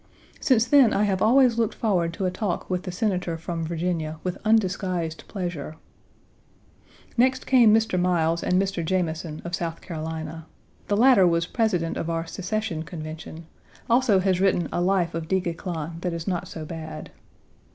Since then, I have always looked forward to a talk with the Senator from Virginia with undisguised pleasure. Next came Mr. Miles and Mr. Jameson, of South Carolina. The latter was President of our Secession Convention; also has written a life of Du Guesclin that is not so bad.